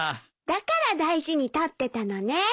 だから大事に取ってたのね。